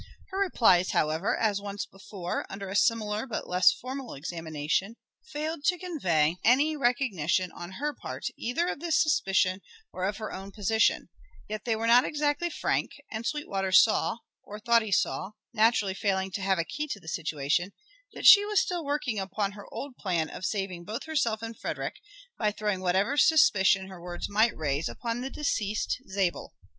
Her replies, however, as once before, under a similar but less formal examination, failed to convey any recognition on her part either of this suspicion or of her own position; yet they were not exactly frank, and Sweetwater saw, or thought he saw (naturally failing to have a key to the situation), that she was still working upon her old plan of saving both herself and Frederick, by throwing whatever suspicion her words might raise upon the deceased Zabel.